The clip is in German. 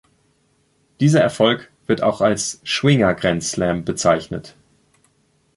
Dieser Erfolg wird auch als «Schwinger-Grand-Slam» bezeichnet.